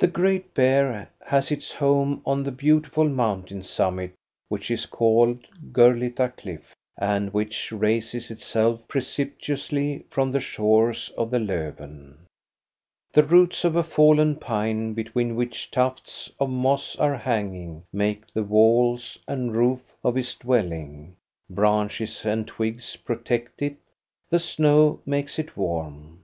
The great bear has its home on the beautiful mountain summit which is called Gurlitta Cliff, and which raises itself precipitously from the shores of the Lofven. The roots of a fallen pine between which tufts of moss are hanging make the walls and roof of his dwelling, branches and twigs protect it, the snow makes it warm.